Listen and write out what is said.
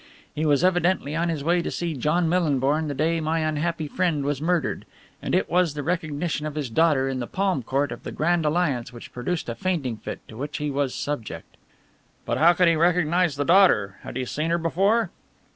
He was evidently on his way to see John Millinborn the day my unhappy friend was murdered, and it was the recognition of his daughter in the palm court of the Grand Alliance which produced a fainting fit to which he was subject." "But how could he recognize the daughter? Had he seen her before?"